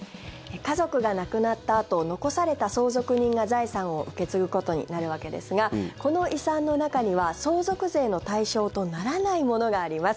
家族が亡くなったあと残された相続人が財産を受け継ぐことになるわけですがこの遺産の中には相続税の対象とならないものがあります。